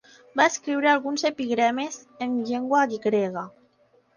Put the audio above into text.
Va escriure alguns epigrames en llengua grega.